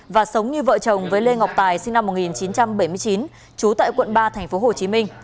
và sống như vợ chồng với lê ngọc tài sinh năm một nghìn chín trăm bảy mươi chín trú tại quận ba tp hcm